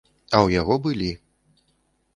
А ў яго былі.